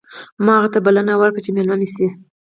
ما هغه ته بلنه ورکړه چې مېلمه مې شي